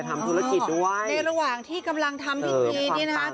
ทำธุรกิจด้วยในระหว่างที่กำลังทำพิธีนี้นะคะ